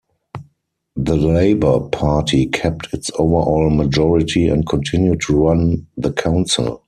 The Labour Party kept its overall majority and continued to run the council.